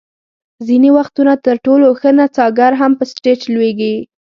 ځینې وختونه تر ټولو ښه نڅاګر هم په سټېج لویږي.